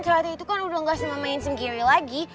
tata itu kan udah gak sama main sem geri lagi